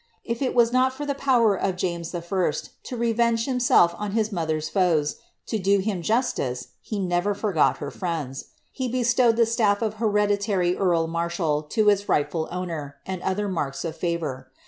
If it was not in the power of James I. to revenge himself on his mother's foes, to do him justice, he never foigot her firiendi. He bestowed the staff of hereditary earl marshal to its rightful owner, and other marks of favour.